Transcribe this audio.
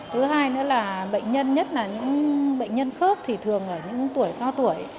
thứ hai nữa là bệnh nhân nhất là những bệnh nhân khớp thì thường ở những tuổi cao tuổi